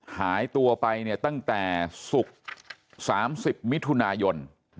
หายตัวไปเนี่ยตั้งแต่ศุกร์๓๐มิถุนายน